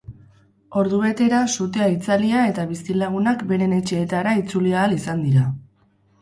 Ordubetera sutea itzalia eta bizilagunak beren etxeetara itzuli ahal izan dira.